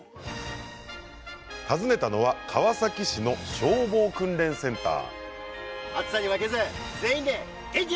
訪ねたのは川崎市の消防訓練センター。